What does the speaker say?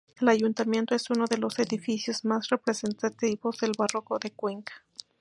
El Ayuntamiento es uno de los edificios más representativos del barroco de Cuenca.